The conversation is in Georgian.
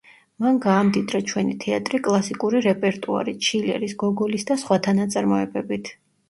მან გაამდიდრა ჩვენი თეატრი კლასიკური რეპერტუარით, შილერის, გოგოლის და სხვათა ნაწარმოებებით.